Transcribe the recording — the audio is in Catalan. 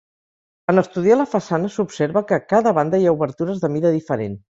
En estudiar la façana s'observa que a cada banda hi ha obertures de mida diferent.